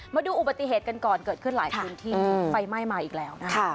มาดูอุบัติเหตุกันก่อนเกิดขึ้นหลายพื้นที่ไฟไหม้มาอีกแล้วนะคะ